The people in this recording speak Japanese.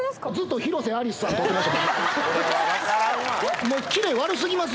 広瀬アリスさん撮ってました。